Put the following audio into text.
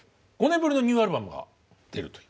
５年ぶりのニューアルバムが出ると。